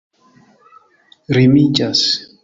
rimiĝas